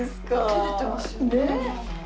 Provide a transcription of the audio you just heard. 照れてますよねなんか。